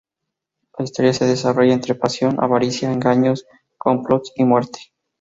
La historia se desarrolla entre pasión, avaricia, engaños, complots y muerte.